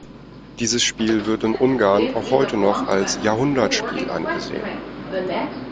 Dieses Spiel wird in Ungarn auch heute noch als „Jahrhundertspiel“ angesehen.